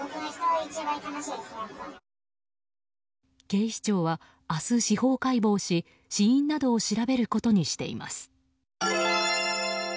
警視庁は明日、司法解剖し死因などを調べることにしています。